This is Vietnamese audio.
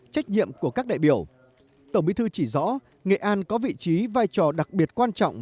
trách nhiệm của các đại biểu tổng bí thư chỉ rõ nghệ an có vị trí vai trò đặc biệt quan trọng